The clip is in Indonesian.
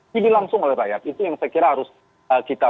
jadi langsung oleh rakyat itu yang saya kira harus kita perkuatkan